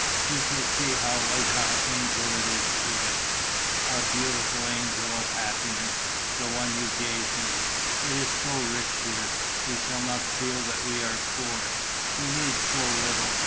You shall see how like our angel is to it, our beautiful angel of happiness, the one you gave me! It is so rich here; we shall not feel that we are poor. We need so little.